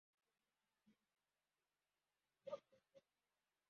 Umugore ufite igikapu cyirabura arimo aranywa itabi